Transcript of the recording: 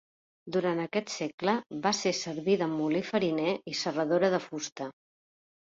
Durant aquest segle va ser servir de molí fariner i serradora de fusta.